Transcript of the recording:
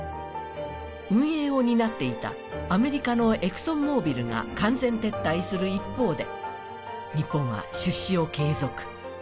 運営を担っていたアメリカのエクソンモービルが完全撤退する一方で、日本は出資を継続。